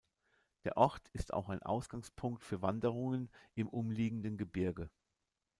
Der Ort ist auch ein Ausgangspunkt für Wanderungen im umliegenden Gebirge.